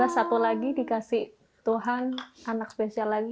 enam belas satu lagi dikasih tuhan anak spesial lagi